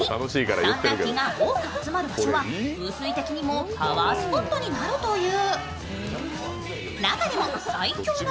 そんな気が多く集まる場所は風水的にもパワースポットになるという。